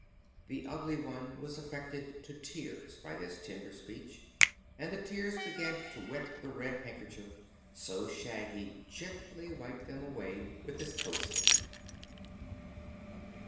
The Ugly One was affected to tears by this tender speech, and the tears began to wet the red handkerchief; so Shaggy gently wiped them away with his coat sleeve.